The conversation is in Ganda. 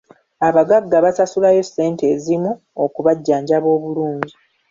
Abagagga basasulayo ssente ezimu okubajjanjaba obulungi.